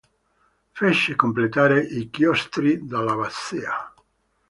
Fece completare i chiostri dell'abbazia.